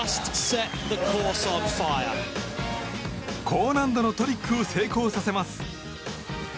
高難度のトリックを成功させます。